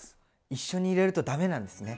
一緒に入れるとダメなんですね。